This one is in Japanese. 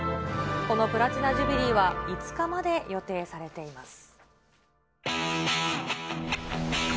このプラチナ・ジュビリーは、５日まで予定されています。